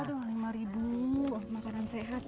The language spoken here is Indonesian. aduh lima ribu makanan sehat